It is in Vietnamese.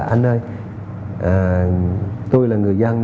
anh ơi tôi là người dân